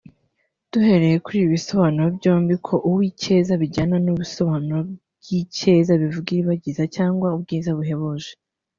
Duhereye kuri ibi bisobanuro byombi ko Uwicyeza bijyana n’ibisobanuro by’icyeza bivuga Iribagiza cyangwa ubwiza buhebuje